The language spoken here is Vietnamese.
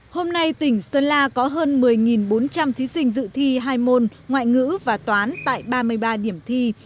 hôm nay tỉnh sơn la có hơn một mươi bốn trăm linh thí sinh dự thi hai môn ngoại ngữ và toán tại ba mươi ba điểm thi